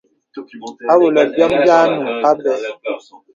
Awɔlə̀ bìom bì ànuŋ àbə̀.